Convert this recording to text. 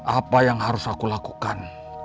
apa yang harus aku lakukan